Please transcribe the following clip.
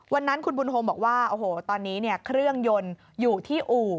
วันนั้นคุณบุญโฮมบอกว่าโอ้โหตอนนี้เครื่องยนต์อยู่ที่อู่